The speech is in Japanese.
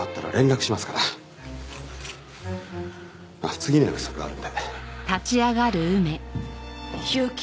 あ次の約束があるんで。